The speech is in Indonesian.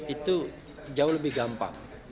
itu jauh lebih gampang